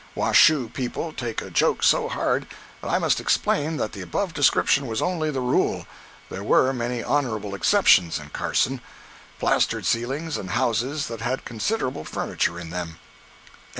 [Washoe people take a joke so hard that I must explain that the above description was only the rule; there were many honorable exceptions in Carson—plastered ceilings and houses that had considerable furniture in them.